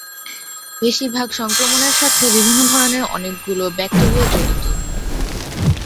বেশিরভাগ সংক্রমণের সাথে বিভিন্ন ধরনের অনেকগুলো ব্যাকটেরিয়া জড়িত।